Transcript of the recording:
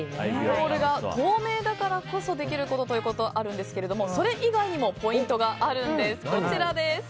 ボウルが透明だからこそできるということがあるんですけどそれ以外にもポイントがあるんです。